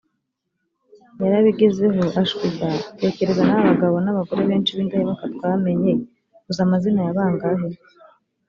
yarabigezeho ashwi da tekereza nawe abagabo n abagore benshi b indahemuka twamenye uzi amazina ya bangahe